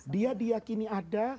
dia diakini ada